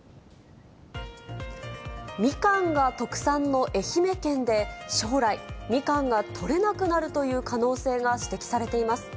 ミカンが特産の愛媛県で、将来、ミカンが取れなくなるという可能性が指摘されています。